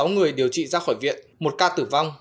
một trăm sáu mươi sáu người điều trị ra khỏi viện một ca tử vong